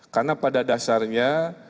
karena pada dasarnya